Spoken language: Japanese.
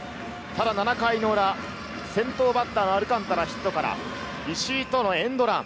ただ７回の裏、先頭バッター、アルカンタラのヒットから、石井とのエンドラン。